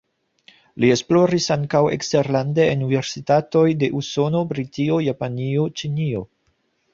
Li esploris ankaŭ eksterlande en universitatoj de Usono, Britio, Japanio, Ĉinio.